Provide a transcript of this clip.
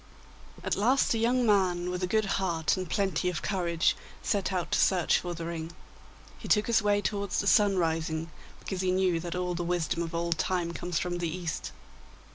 At last a young man, with a good heart and plenty of courage, set out to search for the ring. He took his way towards the sunrising, because he knew that all the wisdom of old time comes from the East.